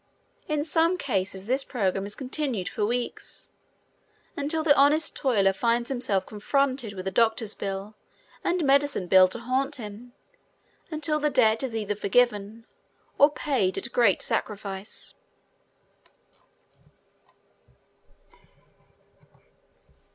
In some cases this program is continued for weeks, until the honest toiler finds himself confronted with a doctor's bill and medicine bill to haunt him until the debt is either forgiven or paid at great sacrifice.